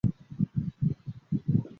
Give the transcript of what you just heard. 香港英治时期法官也译为按察司。